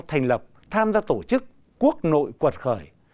thành lập tham gia tổ chức quốc nội quật khởi